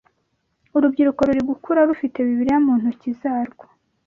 urubyiruko ruri gukura rufite Bibiliya mu ntoki zarwo